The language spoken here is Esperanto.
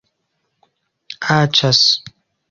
aĉas